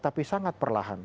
tapi sangat perlahan